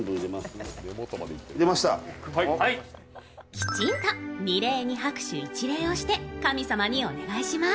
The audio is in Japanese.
きちんと二礼・二拍手・一礼をして神様にお願いします。